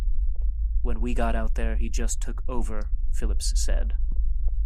"When we got out there, he just took over," Phillips said.